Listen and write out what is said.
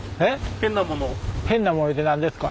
変なものって何ですか？